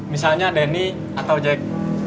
misalnya denny atau jack